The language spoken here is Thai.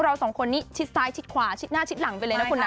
เราสองคนนี้ชิดซ้ายชิดขวาชิดหน้าชิดหลังไปเลยนะคุณนะ